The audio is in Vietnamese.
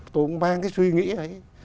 tôi cũng mang cái suy nghĩ ấy